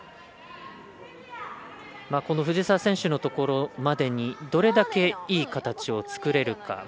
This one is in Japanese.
この藤澤選手のところまでにどれだけいい形を作れるか。